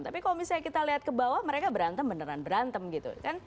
tapi kalau misalnya kita lihat ke bawah mereka berantem beneran berantem gitu kan